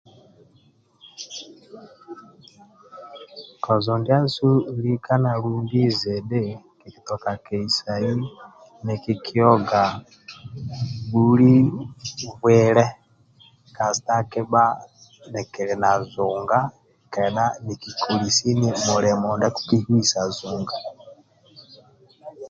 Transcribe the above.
Kozo ndiasu lika na lumbi zidhi kikitoka keisai nikikioga buli bwile kasita kibha nikili nazunga kedha nikikoli sini mulimo ndia akikihuisa zunga